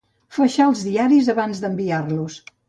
Faixar els diaris abans d'enviar-los.